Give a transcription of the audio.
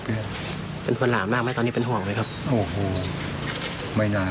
พี่น้องคนนี้ตอนนี้เป็นห่อไหมครับ